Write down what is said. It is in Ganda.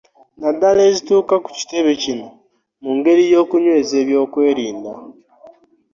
Naddala ezituuka ku kitebe kino mu ngeri y'okunyweza eby'okwerinda